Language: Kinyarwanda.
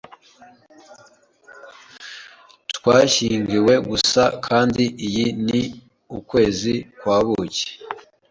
Twashyingiwe gusa, kandi iyi ni ukwezi kwa buki.